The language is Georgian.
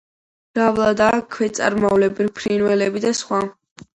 მრავლადაა ქვეწარმავლები, ფრინველები და სხვა.